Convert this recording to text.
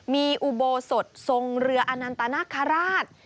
มีอุโบสถทรงเรืออนันตนาคาราช